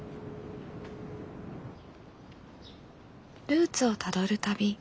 ルーツをたどる旅。